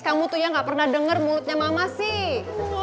kamu tuh yang gak pernah denger mulutnya mama sih